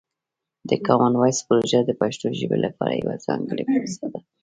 د کامن وایس پروژه د پښتو ژبې لپاره یوه ځانګړې پروسه ده.